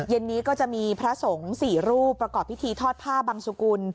เย็นนี้ก็จะมีพระสงฆ์๔รูปประกอบพิธีทอดผ้าบังสุกุล